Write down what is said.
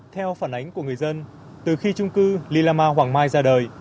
theo phản ánh của người dân từ khi trung cư lì lama hoàng mai ra đời